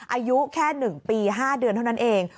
อายุแค่๑ปี๕เดือนเท่านั้นเอง